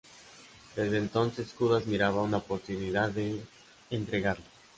Desde entonces Judas miraba una oportunidad de entregarle.